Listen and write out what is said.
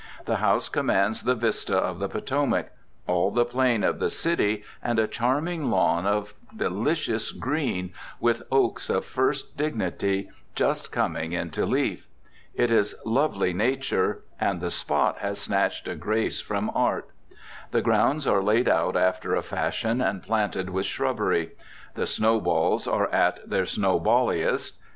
The house commands the vista of the Potomac, all the plain of the city, and a charming lawn of delicious green, with oaks of first dignity just coming into leaf. It is lovely Nature, and the spot has snatched a grace from Art. The grounds are laid out after a fashion, and planted with shrubbery. The snowballs are at their snowballiest.....